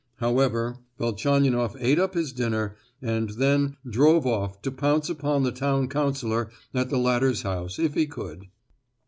However, Velchaninoff ate up his dinner, and then drove off to pounce upon the town councillor at the latter's house, if he could.